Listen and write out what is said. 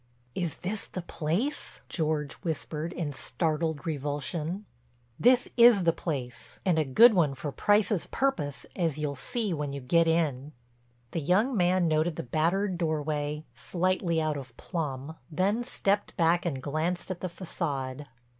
"Is this the place?" George whispered, in startled revulsion. "This is the place. And a good one for Price's purpose as you'll see when you get in." The young man noted the battered doorway, slightly out of plumb, then stepped back and glanced at the façade.